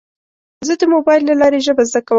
زه د موبایل له لارې ژبه زده کوم.